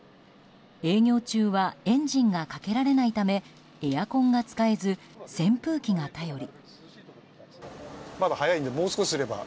営業中はエンジンがかけられないためエアコンが使えず扇風機が頼り。